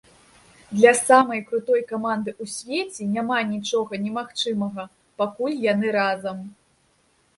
Для самай крутой каманды ў свеце няма нічога немагчымага, пакуль яны разам.